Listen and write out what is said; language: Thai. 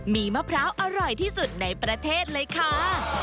มีมะพร้าวอร่อยที่สุดในประเทศเลยค่ะ